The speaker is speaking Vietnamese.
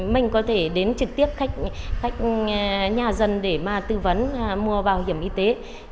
mình có thể đến trực tiếp khách nhà dân để mà tư vấn mua bảo hiểm y tế